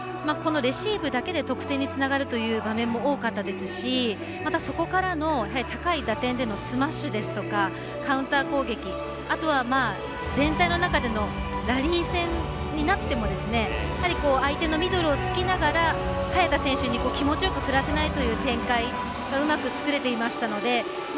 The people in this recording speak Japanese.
このレシーブだけで得点につながるという場面も多かったんですしまたそこからの高い打点でのスマッシュですとかカウンター攻撃あとは全体の中でのラリー戦になってもやはり相手のミドルをつきながら早田選手に気持ちよく振らせないという展開がうまく作れていましたので１